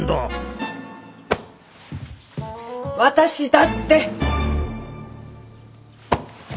私だって！